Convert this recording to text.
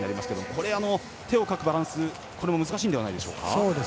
これ、手をかくバランス難しいんじゃないでしょうか。